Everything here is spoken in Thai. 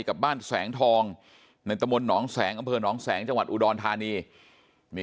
กับบ้านแสงทองในตะมนต์หนองแสงอำเภอหนองแสงจังหวัดอุดรธานีมี